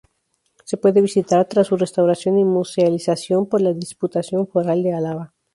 Se puede visitar, tras su restauración y musealización por la Diputación Foral de Álava.